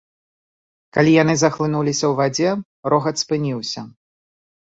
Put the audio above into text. Калі яны захлынуліся ў вадзе, рогат спыніўся.